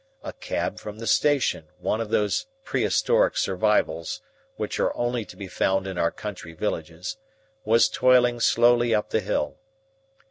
A cab from the station, one of those prehistoric survivals which are only to be found in our country villages, was toiling slowly up the hill.